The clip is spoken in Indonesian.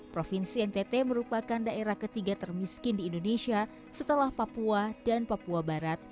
provinsi ntt merupakan daerah ketiga termiskin di indonesia setelah papua dan papua barat